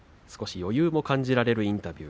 余裕も感じられるインタビュー。